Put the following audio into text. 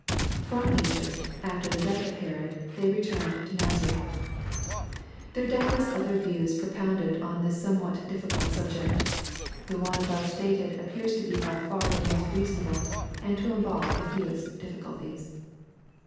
From Egyp^ after the death of Herod, they returned to Nazareth. There are doubtless other views propounded on this somewhat difficult subject The one above stated appears to be by far the most reasonable, and to involve the fewest difficulties.